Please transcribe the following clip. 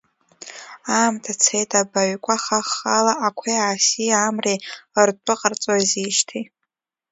Аамҭа цеит, абаҩқәа хаххала ақәеи, аси, Амреи ртәы ҟарҵозижьҭеи.